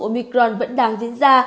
omicron vẫn đang diễn ra